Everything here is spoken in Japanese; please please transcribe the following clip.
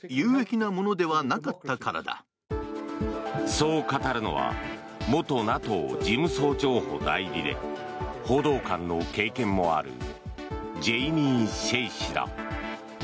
そう語るのは元ＮＡＴＯ事務総長補代理で報道官の経験もあるジェイミー・シェイ氏だ。